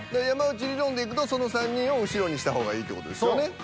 山内理論でいくとその３人を後ろにした方がいいって事ですよね。